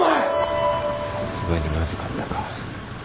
さすがにまずかったか。